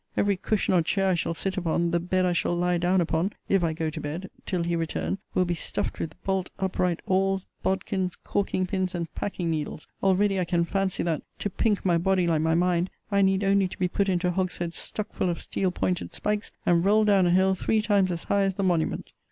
Every cushion or chair I shall sit upon, the bed I shall lie down upon (if I go to bed) till he return, will be stuffed with bolt upright awls, bodkins, corking pins, and packing needles: already I can fancy that, to pink my body like my mind, I need only to be put into a hogshead stuck full of steel pointed spikes, and rolled down a hill three times as high as the Monument.